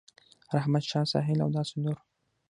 رحمت شاه ساحل او داسې نور